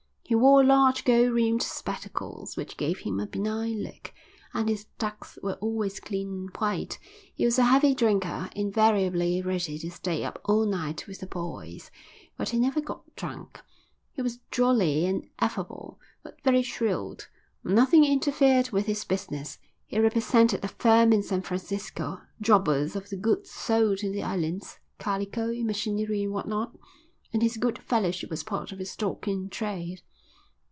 He wore large gold rimmed spectacles, which gave him a benign look, and his ducks were always clean and white. He was a heavy drinker, invariably ready to stay up all night with the "boys," but he never got drunk; he was jolly and affable, but very shrewd. Nothing interfered with his business; he represented a firm in San Francisco, jobbers of the goods sold in the islands, calico, machinery and what not; and his good fellowship was part of his stock in trade.